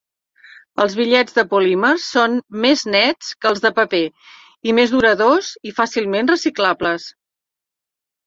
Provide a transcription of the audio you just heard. Els bitllets de polímers són més nets que els de paper i més duradors i fàcilment reciclables.